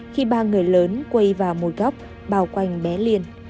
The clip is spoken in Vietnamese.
khi ba người lớn quây vào một góc bào quanh bé liên